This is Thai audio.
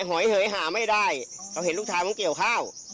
หอยเหยหาไม่ได้เขาเห็นลูกชายมันเกี่ยวข้าว